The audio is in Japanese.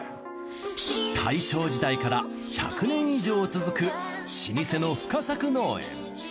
大正時代から１００年以上続く老舗の深作農園。